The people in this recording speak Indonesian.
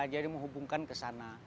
jadi menghubungkan ke sana